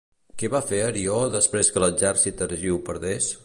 Què va fer Arió després que l'exèrcit argiu perdés?